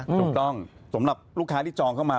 ถูกต้องสำหรับลูกค้าที่จองเข้ามา